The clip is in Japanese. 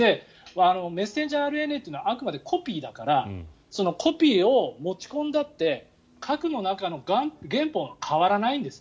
メッセンジャーＲＮＡというのはあくまでコピーだからそのコピーを持ち込んだって核の中の原本は変わらないんです。